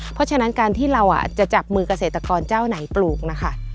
เพราะฉะนั้นการที่เราจะจับมือเกษตรกรเจ้าไหนปลูกนะคะ